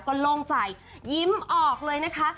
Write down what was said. ก็โล่งใจยิ้มออกเลยนะคะ